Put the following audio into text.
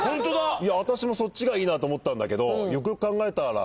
いや私もそっちがいいなと思ったんだけどよくよく考えたら。